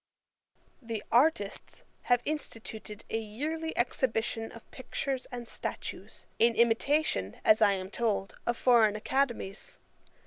'The Artists have instituted a yearly Exhibition of pictures and statues, in imitation, as I am told, of foreign academies.